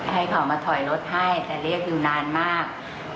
ให้เขามาถอยรถให้แต่เรียกนิวนานมาก